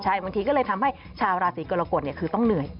ใช่บางทีก็เลยทำให้ชาวราศีกรกฎคือต้องเหนื่อย